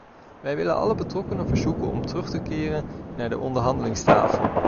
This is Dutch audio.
Wij willen alle betrokkenen verzoeken om terug te keren naar de onderhandelingstafel.